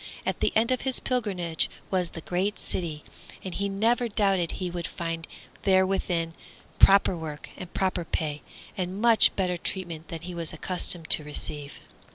At the end of his pilgrimage was the great city, and he never doubted he would find therein proper work and proper pay, and much better treatment than he was accustomed to receive.